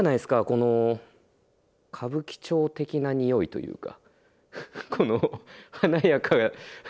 この歌舞伎町的なにおいというか。